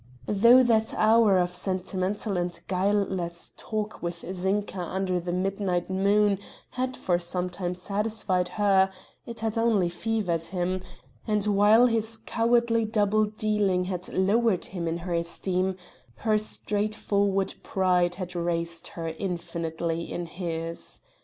Though that hour of sentimental and guileless talk with Zinka under the midnight moon had for the time satisfied her, it had only fevered him; and while his cowardly double dealing had lowered him in her esteem, her straightforward pride had raised her infinitely in his.